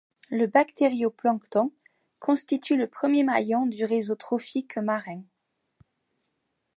Le bactérioplancton constitue le premier maillon du réseau trophique marin.